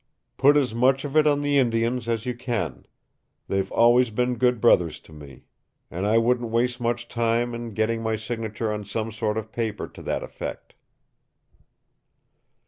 Put as much of it on the Indians as you can. They've always been good brothers to me. And I wouldn't waste much time in getting my signature on some sort of paper to that effect."